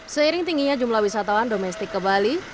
seiring tingginya jumlah wisatawan domestik ke bali